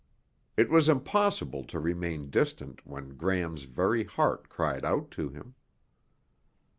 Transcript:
It was impossible to remain distant when Gram's very heart cried out to him.